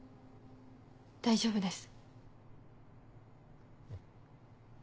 大丈夫です。